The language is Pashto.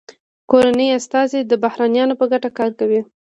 کورني استازي د بهرنیانو په ګټه کار کوي